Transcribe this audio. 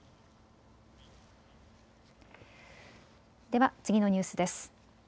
では次のニュースです。